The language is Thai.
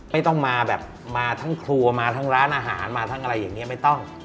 ไม่ต้องมาแบบมาทั้งครัวมาทั้งร้านอาหารมาทั้งอะไรอย่างนี้ไม่ต้อง